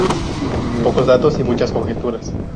Pocos datos y muchas conjeturas.